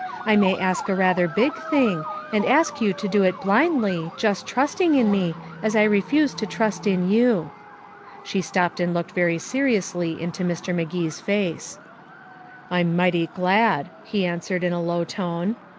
I may ask a rather big thing, and ask you to do it blindly, just trusting in me, as I refused to trust in you." She stopped and looked very seriously into Mr. Magee's face. "I'm mighty glad," he answered in a low tone.